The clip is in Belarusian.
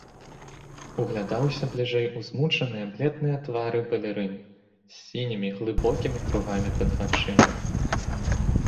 Углядаўся бліжэй у змучаныя, бледныя твары балерын, з сінімі глыбокімі кругамі пад вачыма.